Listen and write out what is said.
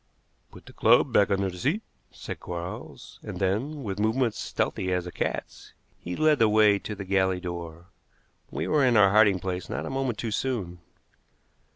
"Put the club back under the seat," said Quarles, and then, with movements stealthy as a cat's, he led the way to the galley door. We were in our hiding place not a moment too soon.